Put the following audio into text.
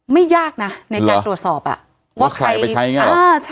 ไม่ยากน่ะในการตรวจสอบอ่ะว่าใครว่าใครคล้ายไปใช้อย่างเงี่ยเหรอ